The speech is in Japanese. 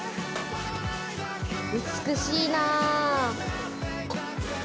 美しいな。